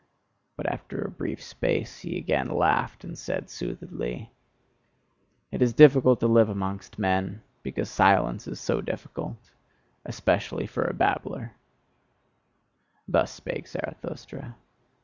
But after a brief space he again laughed, and said soothedly: "It is difficult to live amongst men, because silence is so difficult especially for a babbler." Thus spake Zarathustra.